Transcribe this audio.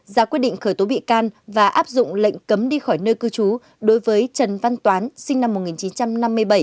ra quyết định khởi tố bị can và áp dụng lệnh cấm đi khỏi nơi cư trú đối với trần văn toán sinh năm một nghìn chín trăm năm mươi bảy